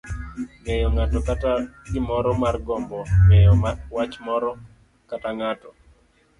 ng'eyo ng'ato kata gimoro. margombo ng'eyo wach moro kata ng'ato.